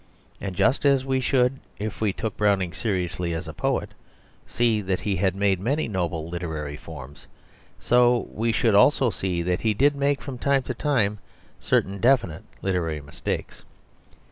And just as we should, if we took Browning seriously as a poet, see that he had made many noble literary forms, so we should also see that he did make from time to time certain definite literary mistakes.